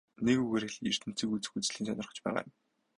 Нэг үгээр хэлэхэд ертөнцийг үзэх үзлий нь сонирхож байгаа юм.